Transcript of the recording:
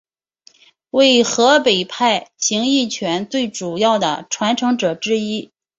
为河北派形意拳最主要的传承者之一。